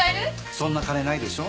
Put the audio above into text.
そんな金ないでしょ。